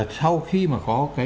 sau khi mà có cái